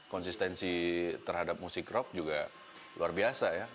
konsistensi terhadap musik rock juga luar biasa ya